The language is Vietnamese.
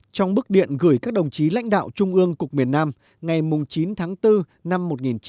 trong bức điện gửi các đồng chí lãnh đạo trung ương cục miền nam ngày chín tháng bốn năm một nghìn chín trăm bảy mươi năm